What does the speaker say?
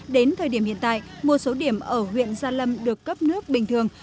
đến thời điểm hiện tại một số điểm ở huyện gia lâm được cấp nước bình thường